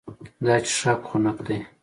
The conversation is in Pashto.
دا څښاک خنک دی.